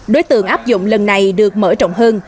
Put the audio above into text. đối tượng áp dụng lần này được mở rộng hơn